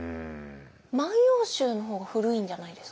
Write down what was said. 「万葉集」の方が古いんじゃないですか？